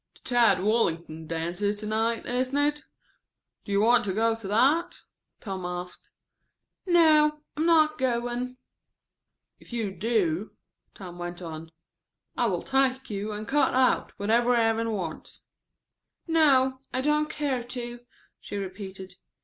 "The Tad Wallington dance is to night, isn't it? Do you want to go to that?" Tom asked. "No, I'm not going." "If you do," Tom went on, "I will take you and cut out whatever Evan wants." "No, I don't care to," she repeated.